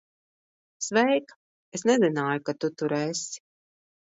Sveika. Es nezināju, ka tu tur esi.